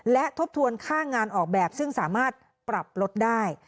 และทบทวนค่างานออกแบบซึ่งสามารถปรับลดได้